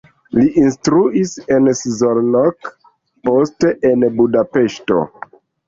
Li instruis en Szolnok, poste en Budapeŝto.